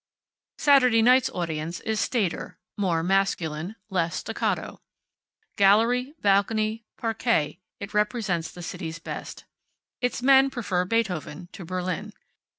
Saturday night's audience is staider, more masculine, less staccato. Gallery, balcony, parquet, it represents the city's best. Its men prefer Beethoven to Berlin.